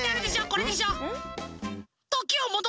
これでしょ？